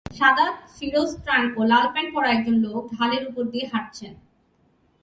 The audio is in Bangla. সাদা শিরস্ত্রাণ ও লাল প্যান্ট পরা একজন লোক ঢালের ওপর দিয়ে হাঁটছেন